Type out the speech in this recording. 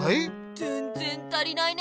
ぜんぜん足りないね。